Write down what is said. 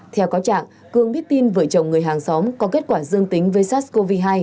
theo cáo trạng cương biết tin vợ chồng người hàng xóm có kết quả dương tính với sars cov hai